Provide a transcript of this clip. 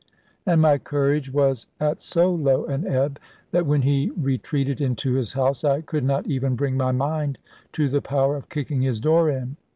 And my courage was at so low an ebb, that when he retreated into his house, I could not even bring my mind to the power of kicking his door in.